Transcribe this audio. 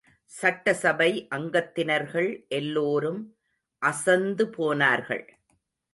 சட்டசபை அங்கத்தினர்கள் எல்லோரும் அசந்து போனார்கள்.